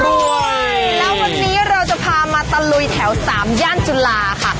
แล้ววันนี้เราจะพามาตะลุยแถว๓ย่านจุฬาค่ะ